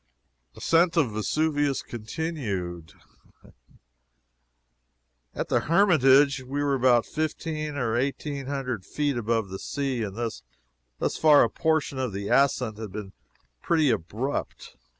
ASCENT OF VESUVIUS CONTINUED. At the Hermitage we were about fifteen or eighteen hundred feet above the sea, and thus far a portion of the ascent had been pretty abrupt.